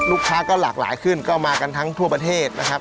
ลูกค้าก็หลากหลายขึ้นก็มากันทั้งทั่วประเทศนะครับ